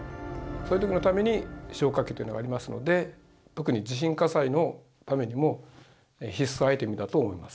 そういう時のために消火器というものがありますので特に地震火災のためにも必須アイテムだと思います。